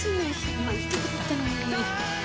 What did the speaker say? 今いいとこだったのに。